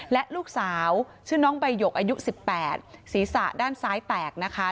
และลูกสาวชื่อน้องใบหยกอายุ๑๘ศีรษะด้านซ้ายแตกนะคะ